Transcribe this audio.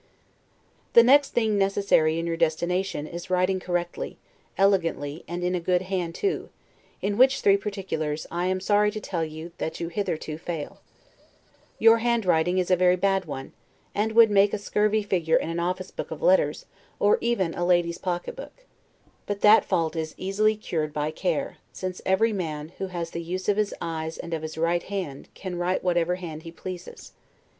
The next thing necessary in your destination, is writing correctly, elegantly, and in a good hand too; in which three particulars, I am sorry to tell you, that you hitherto fail. Your handwriting is a very bad one, and would make a scurvy figure in an office book of letters, or even in a lady's pocket book. But that fault is easily cured by care, since every man, who has the use of his eyes and of his right hand, can write whatever hand he pleases.